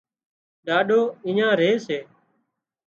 ڏاڏو اڃين ري سي